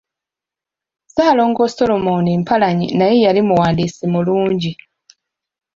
Ssaalongo Solmon Mpalanyi naye yali muwandiisi mulungi.